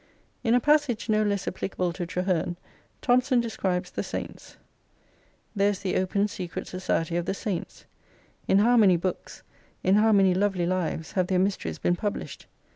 In a passage no less applicable to Traheme, Thomson describes the Saints :— There is the Open Secret Society of the Saints. In how many books, in how many lovely lives, have their mysteries been published